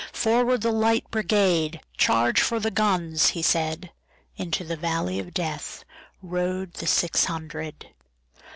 "Forward, the Light Brigade! Charge for the guns!" he said:Into the valley of DeathRode the six hundred.